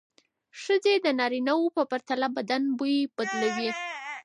ښځې د نارینه وو پرتله بدن بوی بدلوي.